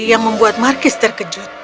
yang membuat markis terkejut